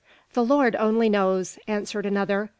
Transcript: "The Lord only knows!" answered another.